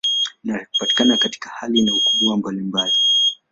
Inapatikana katika hali na ukubwa mbalimbali.